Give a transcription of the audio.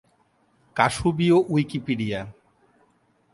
কাশুবীয় Wikipedia